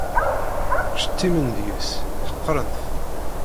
Ttcettimen deg-s, ḥeqqren-t.